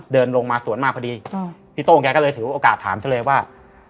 เดินลงมาสวนมาพอดีพี่โต้งแกก็เลยถือโอกาสถามเธอเลยว่า